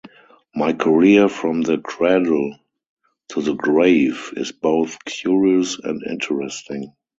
My career from the cradle to the grave is both curious and interesting.